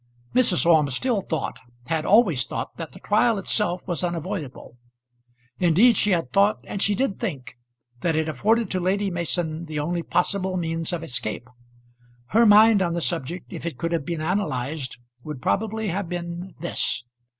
Mrs. Orme still thought, had always thought that the trial itself was unavoidable. Indeed she had thought and she did think that it afforded to Lady Mason the only possible means of escape. Her mind on the subject, if it could have been analyzed, would probably have been this.